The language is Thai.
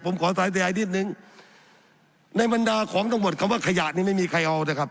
ผมขอสายเสียนิดนึงในบรรดาของตำรวจคำว่าขยะนี่ไม่มีใครเอานะครับ